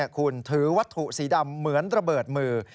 คุณถือวัตถุสีดำเหมือนระเบิดมือ